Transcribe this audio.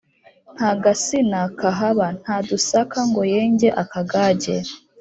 nta gasina kahaba nta dusaka ngo yenge akagage